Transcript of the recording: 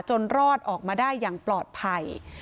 รอดออกมาได้อย่างปลอดภัย